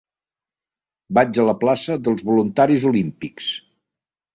Vaig a la plaça dels Voluntaris Olímpics.